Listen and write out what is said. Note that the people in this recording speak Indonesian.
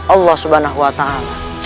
allah subhanahu wa ta'ala